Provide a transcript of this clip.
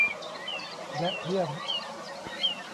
และเพื่อน